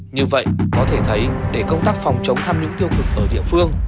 như vậy có thể thấy để công tác phòng chống tham nhũng tiêu cực ở địa phương